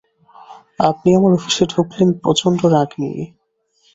আপনি আমার অফিসে ঢুকলেন প্রচণ্ড রাগ নিয়ে।